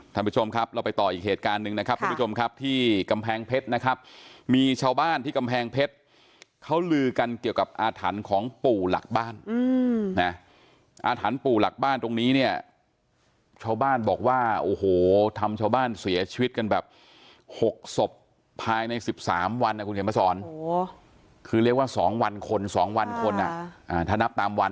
ท่านผู้ชมครับเราไปต่ออีกเหตุการณ์หนึ่งนะครับทุกผู้ชมครับที่กำแพงเพชรนะครับมีชาวบ้านที่กำแพงเพชรเขาลือกันเกี่ยวกับอาถรรพ์ของปู่หลักบ้านนะอาถรรพ์ปู่หลักบ้านตรงนี้เนี่ยชาวบ้านบอกว่าโอ้โหทำชาวบ้านเสียชีวิตกันแบบ๖ศพภายใน๑๓วันนะคุณเขียนมาสอนคือเรียกว่า๒วันคนสองวันคนอ่ะถ้านับตามวัน